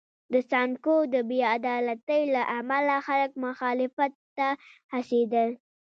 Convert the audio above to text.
د سانکو د بې عدالتۍ له امله خلک مخالفت ته هڅېدل.